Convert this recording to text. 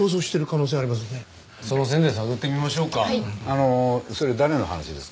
あのそれ誰の話ですか？